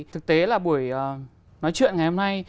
thực tế là buổi nói chuyện ngày hôm nay